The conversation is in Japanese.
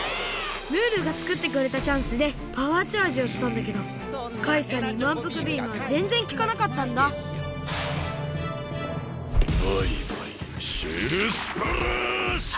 ムールがつくってくれたチャンスでパワーチャージをしたんだけどカイさんにまんぷくビームはぜんぜんきかなかったんだバイバイシェルスプラッシュ！